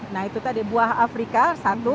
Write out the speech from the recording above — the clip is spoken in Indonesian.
nah itu tadi buah afrika satu